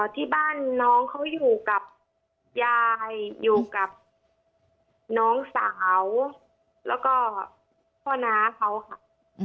ที่บ้านน้องเขาอยู่กับยายอยู่กับน้องสาวแล้วก็พ่อน้าเขาค่ะ